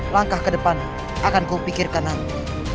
langkah ke depan akan kupikirkan aku